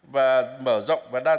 và mở rộng và đa dạng